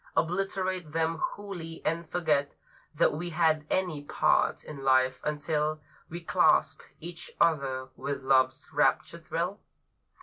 Obliterate them wholly, and forget That we had any part in life until We clasped each other with Love's rapture thrill?